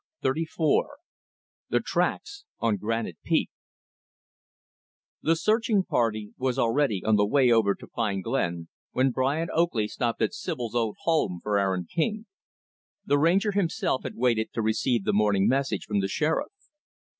Chapter XXXIV The Tracks on Granite Peak The searching party was already on the way over to Pine Glen, when Brian Oakley stopped at Sibyl's old home for Aaron King. The Ranger, himself, had waited to receive the morning message from the Sheriff.